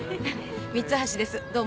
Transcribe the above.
三橋ですどうも。